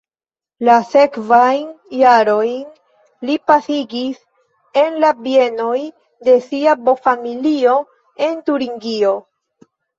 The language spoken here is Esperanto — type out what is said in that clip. La sekvajn jarojn li pasigis en la bienoj de sia bo-familio en Turingio.